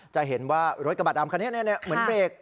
จะเห็นว่ารถกระบะดำคันนี้เหมือนเบรก